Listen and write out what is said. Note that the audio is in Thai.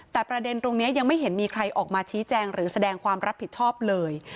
แต่ประเด็นตรงนี้ยังไม่เห็นมีใครออกมาชี้แจงหรือแสดงความรับผิดชอบเลย